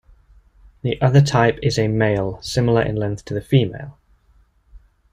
The other type is a male, similar in length to the female.